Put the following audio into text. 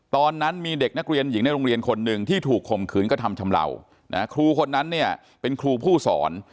ตอนนั้นมีเด็กนักเรียนหญิงในโรงเรียนคนหนึ่งที่ถูกข่มขืนกระทำชำเหล่าครูคนนั้นเนี่ยเป็นครูผู้สอน